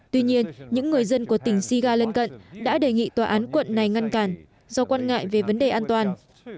tuy nhiên những người dân của tỉnh siga lân cận đã đề nghị tòa án quận này ngăn cản do quan ngại về vấn đề an toàn